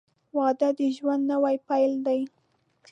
• واده د ژوند نوی پیل دی.